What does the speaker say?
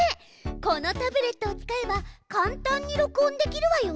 このタブレットを使えば簡単に録音できるわよ。